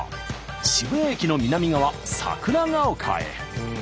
渋谷駅の南側桜丘へ。